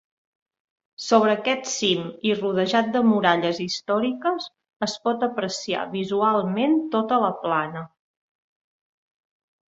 Sobre aquest cim i rodejat de muralles històriques, es pot apreciar visualment tota la Plana.